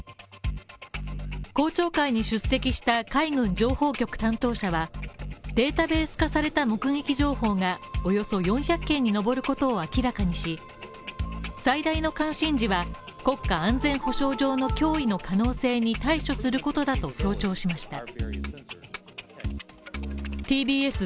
公聴会に出席した海軍情報局担当者はデータベース化された目撃情報がおよそ４００件に上ることを明らかにし最大の関心事は、国家安全保障上の脅威の可能性に対処することだと強調しました。